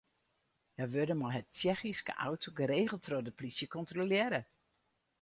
Hja wurde mei har Tsjechyske auto geregeld troch de plysje kontrolearre.